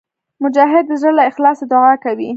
مجاهد د زړه له اخلاصه دعا کوي.